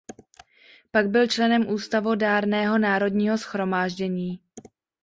Pak byl členem Ústavodárného Národního shromáždění.